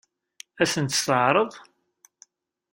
Ad sen-tt-teɛṛeḍ?